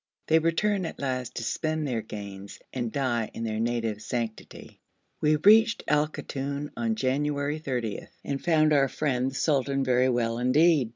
They return at last to spend their gains and die in their native sanctity. We reached Al Koton on January 30, and found our friend the sultan very well indeed.